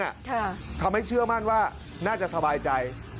ค่ะทำให้เชื่อมั่นว่าน่าจะสบายใจ